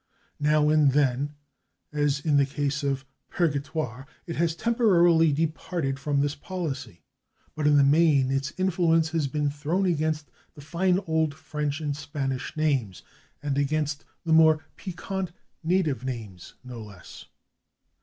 Now and then, as in the case of /Purgatoire/, it has temporarily departed from this policy, but in the main its influence has been thrown against the fine old French and Spanish names, and against the [Pg296] more piquant native names no less.